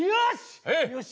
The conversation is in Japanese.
よし！